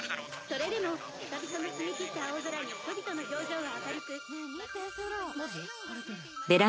「それでも久々の澄みきった青空に人々の表情は明るく」ねえ